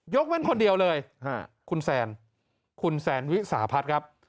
เว้นคนเดียวเลยคุณแซนคุณแซนวิสาพัฒน์ครับ